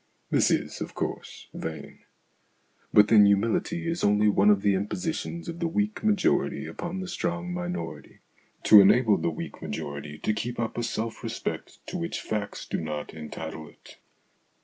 This is, of course, vain. But then humility is only one of the impositions of the weak majority upon the strong minority, to enable the weak majority to keep up a self respect to which facts do not entitle it.